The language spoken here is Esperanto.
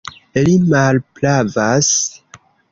Li malpravas!